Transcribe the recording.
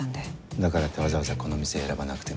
だからってわざわざこの店選ばなくても。